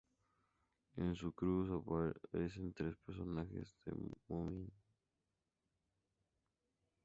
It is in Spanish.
En su cruz aparecen tres personajes de los Mumin.